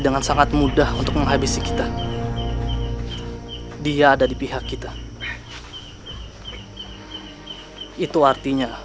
bukanlah musuh kalian